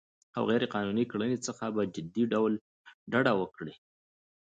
او غیرقانوني ګرانۍ څخه په جدي ډول ډډه وکړي